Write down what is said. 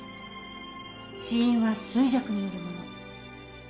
死因は衰弱によるもの。